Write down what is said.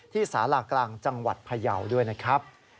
สารากลางจังหวัดพยาวด้วยนะครับ